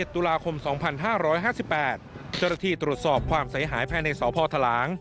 ๑๑ตุลาคม๒๕๕๘จรฐีตรวจสอบความเสียหายภายในสอพทหลัง